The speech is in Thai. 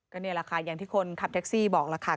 นี่แหละค่ะอย่างที่คนขับแท็กซี่บอกล่ะค่ะ